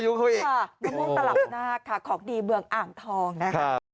น้องมุมตลับหน้าค่ะของดีเมืองอ่างทองนะครับ